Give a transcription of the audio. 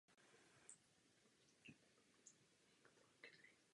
Pro vysoký obsah glukózy mají květy výrazně sladkou chuť.